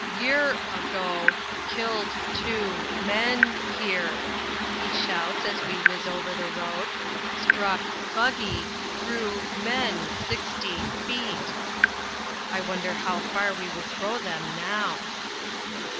"Year ago killed two men here," he shouts as we whiz over the road. "Struck buggy threw men sixty feet." I wonder how far we would throw them now.